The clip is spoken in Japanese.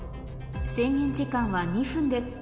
制限時間は２分です